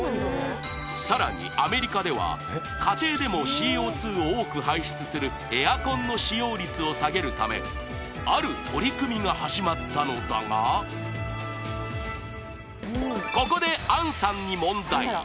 さらにアメリカでは家庭でもＣＯ２を多く排出するエアコンの使用率を下げるためある取り組みが始まったのだがここで杏さんに問題